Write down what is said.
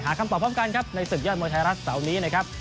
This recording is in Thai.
คำตอบพร้อมกันครับในศึกยอดมวยไทยรัฐเสาร์นี้นะครับ